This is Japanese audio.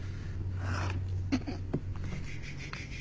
ああ。